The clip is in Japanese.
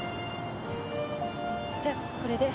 じゃあこれで。